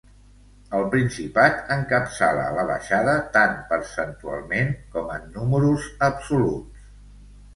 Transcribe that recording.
El Principat encapçala la baixada tant percentualment com en números absoluts.